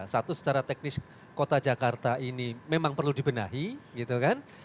satu secara teknis kota jakarta ini memang perlu dibenahi gitu kan